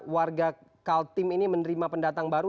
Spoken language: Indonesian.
warga kaltim ini menerima pendatang baru